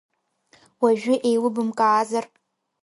Уажәы еилыбымкаазар…